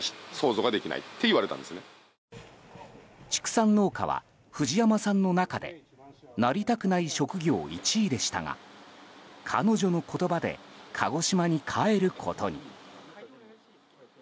畜産農家は、藤山さんの中でなりたくない職業１位でしたが彼女の言葉で鹿児島に帰ることに。